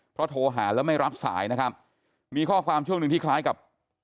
เพราะโทรหาแล้วไม่รับสายนะครับมีข้อความช่วงหนึ่งที่คล้ายกับ